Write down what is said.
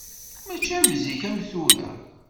Mačči am zik am tura.